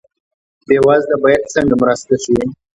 بې وزله باید څنګه مرسته شي؟